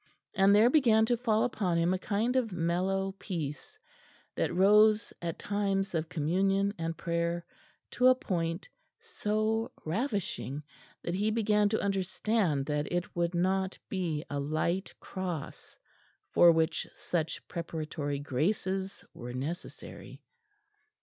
And there began to fall upon him a kind of mellow peace that rose at times of communion and prayer to a point so ravishing, that he began to understand that it would not be a light cross for which such preparatory graces were necessary.